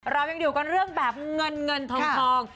เรายังอยู่กันเรื่องแบบเงินเงินทอง